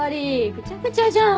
ぐちゃぐちゃじゃん。